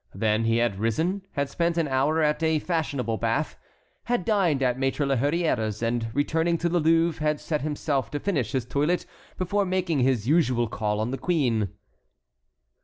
Then he had risen, had spent an hour at a fashionable bath, had dined at Maître La Hurière's, and returning to the Louvre had set himself to finish his toilet before making his usual call on the queen.